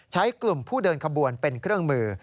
ใช้กลุ่มผู้เดินขบวนเป็นเครื่องมือ